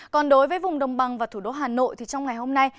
còn đối với vùng đồng bằng và thủ đô hà nội thì trong ngày hôm nay